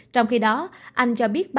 trong khi đó anh cho biết